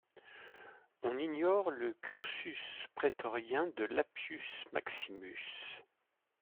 On ignore le cursus prétorien de Lappius Maximus.